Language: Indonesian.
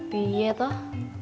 be ya toh